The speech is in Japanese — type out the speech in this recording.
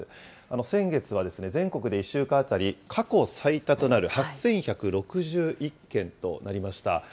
先月は全国で１週間当たり、過去最多となる８１６１件となりました。